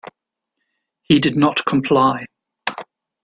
He did not comply.